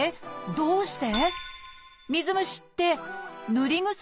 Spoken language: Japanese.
どうして？